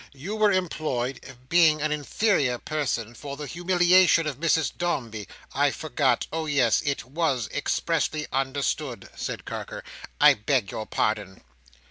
"You were employed—" "Being an inferior person, for the humiliation of Mrs Dombey. I forgot. Oh, yes, it was expressly understood!" said Carker. "I beg your pardon!"